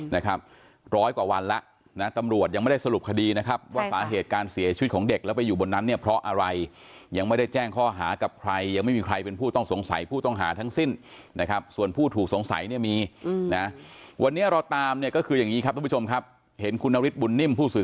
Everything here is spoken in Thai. นะครับร้อยกว่าวันแล้วนะตำรวจยังไม่ได้สรุปคดีนะครับว่าสาเหตุการเสียชีวิตของเด็กแล้วไปอยู่บนนั้นเนี่ยเพราะอะไรยังไม่ได้แจ้งข้อหากับใครยังไม่มีใครเป็นผู้ต้องสงสัยผู้ต้องหาทั้งสิ้นนะครับส่วนผู้ถูกสงสัยเนี่ยมีนะวันนี้เราตามเนี่ยก็คืออย่างนี้ครับทุกผู้ชมครับเห็นคุณนฤทธบุญนิ่มผู้สื่อ